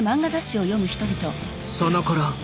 そのころ